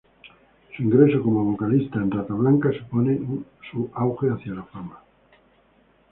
Su ingreso como vocalista en Rata Blanca suponen su auge hacia la fama.